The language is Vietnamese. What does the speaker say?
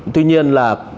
tuy nhiên là